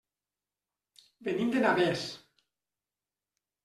Venim de Navès.